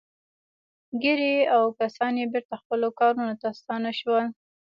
ګيري او کسان يې بېرته خپلو کارونو ته ستانه شول.